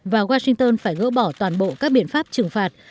và washington phải gỡ bỏ toàn bộ các biện pháp trừng phạt